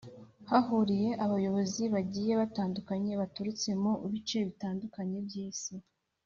Hahuriye abayobozi bagiye batandukanye baturutse mu bice bitandukanye by’isi.